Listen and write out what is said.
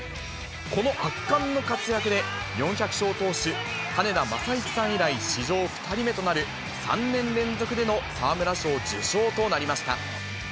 この圧巻の活躍で、４００勝投手、金田正一さん以来、史上２人目となる、３年連続での沢村賞受賞となりました。